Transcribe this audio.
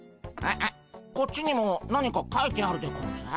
こっちにも何かかいてあるでゴンス。